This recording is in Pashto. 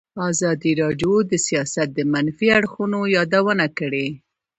ازادي راډیو د سیاست د منفي اړخونو یادونه کړې.